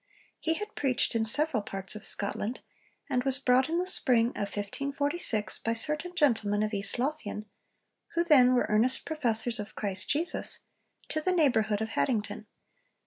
He had preached in several parts of Scotland, and was brought in the spring of 1546 by certain gentlemen of East Lothian, 'who then were earnest professors of Christ Jesus,' to the neighbourhood of Haddington.